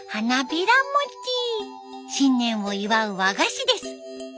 新年を祝う和菓子です。